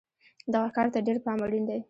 دغه کار ته ډېر پام اړین دی.